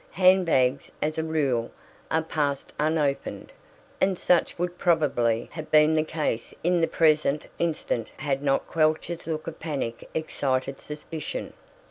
Hand bags, as a rule, are "passed" unopened, and such would probably have been the case in the present instance had not Quelch's look of panic excited suspicion.